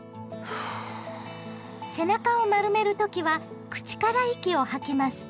背中を丸める時は口から息を吐きます。